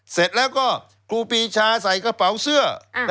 เสร็จแล้วก็ครูปีชาใส่กระเป๋าเสื้อ